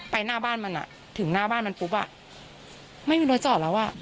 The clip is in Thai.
หน้าบ้านมันอ่ะถึงหน้าบ้านมันปุ๊บอ่ะไม่มีรถจอดแล้วอ่ะ